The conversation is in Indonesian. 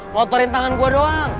mau otorin tangan gue doang